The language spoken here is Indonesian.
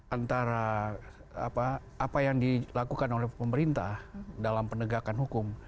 antara apa yang dilakukan oleh pemerintah dalam penegakan hukum